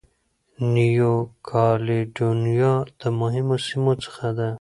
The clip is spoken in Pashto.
نیو کالېډونیا د مهمو سیمو څخه ده.